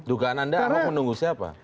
dugaan anda ahok menunggu siapa